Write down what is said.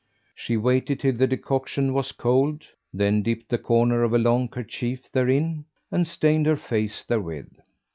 She waited till the decoction was cold, then dipped the corner of a long kerchief therein and stained her face therewith.